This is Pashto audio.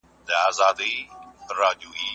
تخلیقي ادب د احساس او عاطفې مجموعه ده.